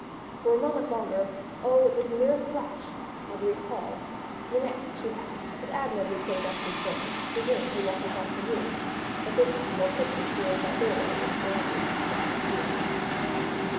For one moment longer—oh! it was the merest flash—Marguerite paused: the next she had, with admirably played unconcern, resumed her walk across the room—but this time more quickly towards that doorway whence Sir Andrew had now disappeared.